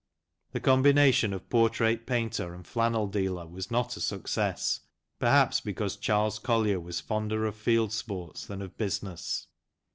The combination of portrait painter and flannel dealer was not a success, perhaps because Charles Collier was fonder of field sports than of business.